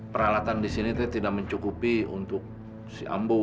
peralatan disini teh tidak mencukupi untuk si ambo